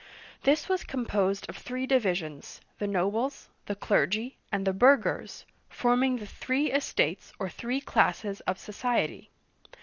This was composed of three divisions, — the nobles, the clergy, and the burghers, — forming the three estates or three classes of society.